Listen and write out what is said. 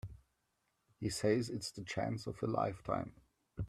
He says it's the chance of a lifetime.